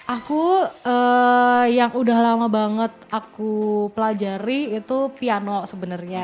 aku yang udah lama banget aku pelajari itu piano sebenarnya